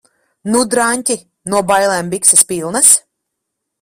Nu, draņķi? No bailēm bikses pilnas?